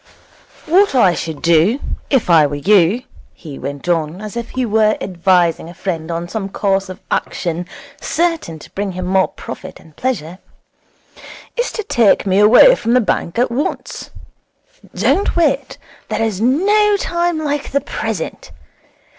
'What I should do, if I were you,' he went on, as if he were advising a friend on some course of action certain to bring him profit and pleasure, 'is to take me away from the bank at once. Don't wait. There is no time like the present.